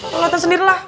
lu latihan sendirilah